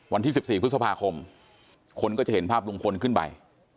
วันที่๑๔พฤษภาคมคนก็จะเห็นภาพลุงพลขึ้นไป